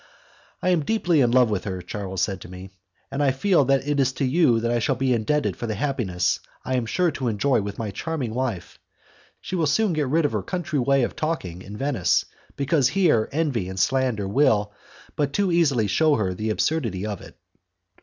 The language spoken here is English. "I am deeply in love with her," Charles said to me, "and I feel that it is to you that I shall be indebted for the happiness I am sure to enjoy with my charming wife. She will soon get rid of her country way of talking in Venice, because here envy and slander will but too easily shew her the absurdity of it."